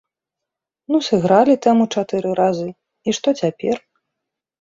Ну, сыгралі тэму чатыры разы, і што цяпер?